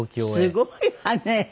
すごいわね！